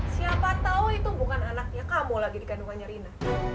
siapa tahu itu bukan anaknya kamu lagi dikandungannya rina